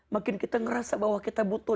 makin kita ngerasa bahwa kita butuh